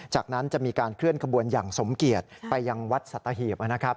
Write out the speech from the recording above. จากนั้นจะมีการเคลื่อนขบวนอย่างสมเกียจไปยังวัดสัตหีบนะครับ